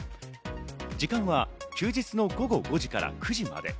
時間は休日の午後５時から９時まで。